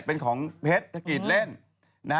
เป็นของเพชรธกิจเล่น